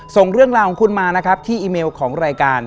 ส่งเรื่องราวของคุณมานะครับที่อีเมลของรายการ